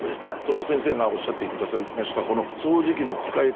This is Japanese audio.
先生がおっしゃって下さいましたこの掃除機の使い方